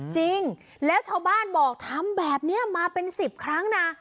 จริงแล้วชาวบ้านบอกทำแบบนี้มาเป็น๑๐ครั้งนะ